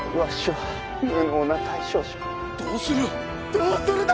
どうするだ！？